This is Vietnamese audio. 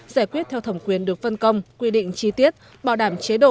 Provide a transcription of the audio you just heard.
giải quyết theo thẩm quyền được phân công quy định chi tiết bảo đảm chế độ